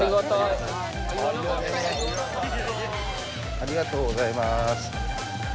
ありがとうございます。